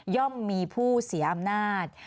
่อมมีผู้เสียอำนาจ